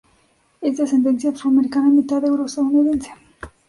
Es de ascendencia afroamericana y mitad euro-estadounidense.